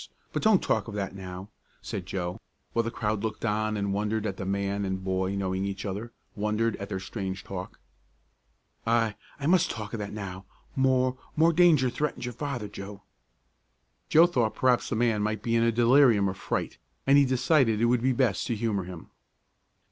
But don't talk of that now," Joe said, while the crowd looked on and wondered at the man and boy knowing each other wondered at their strange talk. "I I must talk of that now more more danger threatens your father, Joe." Joe thought perhaps the man might be in a delirium of fright, and he decided it would be best to humor him.